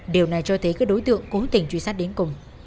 điều này cho thấy các đối tượng cố tình truy sát đến cùng